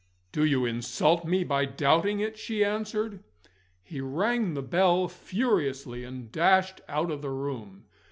"Do you insult me by doubting it?" she answered. He rang the bell furiously, and dashed out of the room.